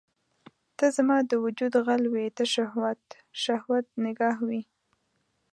ته زما د وجود غل وې ته شهوت، شهوت نګاه وي